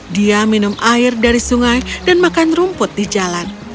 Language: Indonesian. dia minum air dari sungai dan makan rumput di jalan